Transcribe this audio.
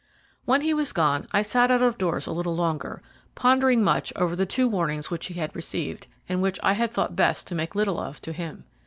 When he was gone I sat out of doors a little longer, pondering much over the two warnings which he had received, and which I had thought best to make little of to him.